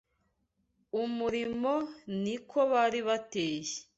umurimo ni ko bari bateye